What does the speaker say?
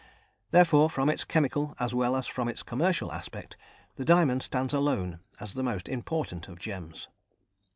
Therefore, from its chemical, as well as from its commercial aspect, the diamond stands alone as the most important of gems.